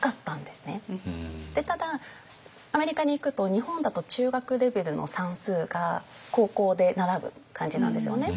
ただアメリカに行くと日本だと中学レベルの算数が高校で習う感じなんですよね。